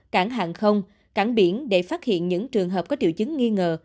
cảng hàng không cảng biển để phát hiện những trường hợp có triệu chứng nghi ngờ